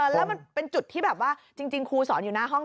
แล้วมันเป็นจุดที่แบบว่าจริงครูสอนอยู่หน้าห้อง